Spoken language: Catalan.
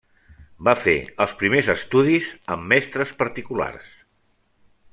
Va fer els primers estudis amb mestres particulars.